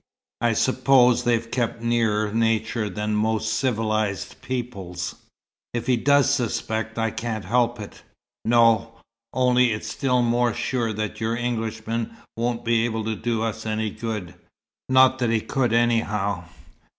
I suppose they've kept nearer nature than more civilized peoples." "If he does suspect, I can't help it." "No. Only it's still more sure that your Englishman won't be able to do us any good. Not that he could, anyhow."